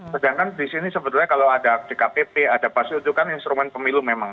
sedangkan di sini sebetulnya kalau ada dkpp ada pas itu kan instrumen pemilu memang